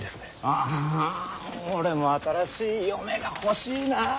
あ俺も新しい嫁が欲しいなあ。